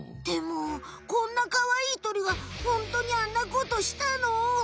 でもこんなかわいいとりがホントにあんなことしたの？